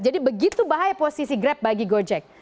jadi begitu bahaya posisi grab bagi gojek